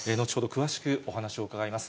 詳しくお話を伺います。